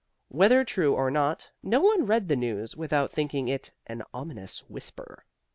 Whether true or not, no one read the news without thinking it an ominous whisper.